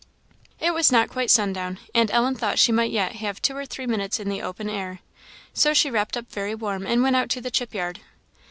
It was not quite sundown, and Ellen thought she might yet have two or three minutes in the open air. So she wrapped up very warm and went out to the chip yard.